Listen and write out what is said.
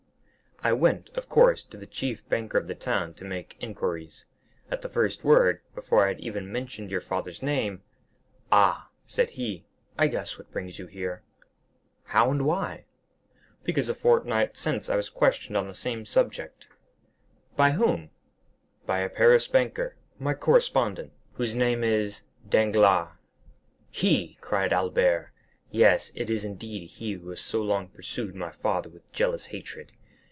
"I went, of course, to the chief banker of the town to make inquiries. At the first word, before I had even mentioned your father's name"— "'Ah,' said he. 'I guess what brings you here.' "'How, and why?' "'Because a fortnight since I was questioned on the same subject.' "'By whom?' "'By a banker of Paris, my correspondent.' "'Whose name is——' "'Danglars.'" "He!" cried Albert; "yes, it is indeed he who has so long pursued my father with jealous hatred.